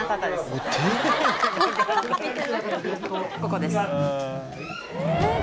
ここです。